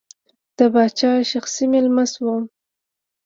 د پاچا شخصي مېلمه شوم.